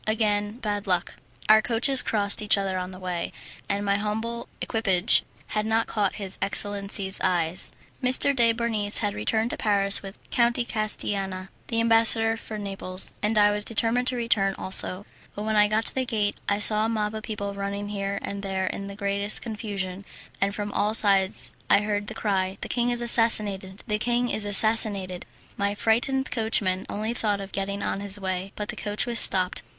Again bad luck! Our coaches crossed each other on the way, and my humble equipage had not caught his excellency's eye. M. de Bernis had returned to Paris with Count de Castillana, the ambassador from Naples, and I determined to return also; but when I got to the gate I saw a mob of people running here and there in the greatest confusion, and from all sides I heard the cry, "The king is assassinated! The king is assassinated!" My frightened coachman only thought of getting on his way, but the coach was stopped.